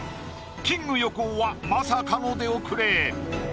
キング・横尾はまさかの出遅れ